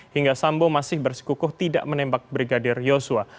hingga sambo masih bersikukuh tidak menembak brigadir yosua